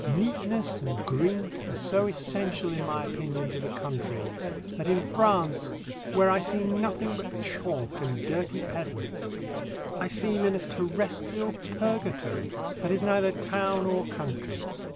Neatness and greenth are so essential in my opinion to the country, that in France, where I see nothing but chalk and dirty peasants, I seem in a terrestrial purgatory that is neither town or country.